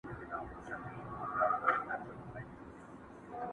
نه هوس د ميراث پاته كم او لوى ته!.